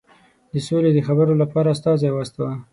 د سولي د خبرو لپاره استازی واستاوه.